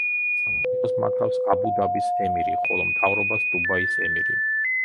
სახელმწიფოს მართავს აბუ-დაბის ემირი, ხოლო მთავრობას დუბაის ემირი.